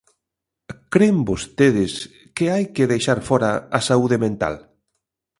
¿Cren vostedes que hai que deixar fóra a saúde mental?